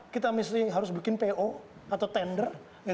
kita harus bikin po atau tender